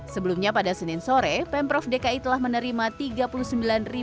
sebelumnya pada senin sore pemprov dki telah menerima rp tiga puluh sembilan